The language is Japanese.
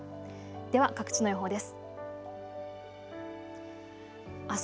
では各地の予報です。